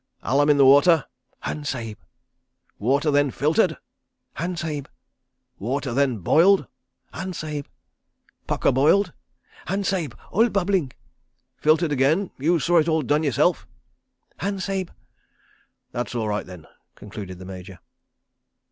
"Alum in the water?" "Han, Sahib." "Water then filtered?" "Han, Sahib." "Water then boiled?" "Han, Sahib." "Pukka boiled?" "Han, Sahib, all bubbling." "Filtered again? You saw it all done yourself?" "Han, Sahib." "That's all right, then," concluded the Major.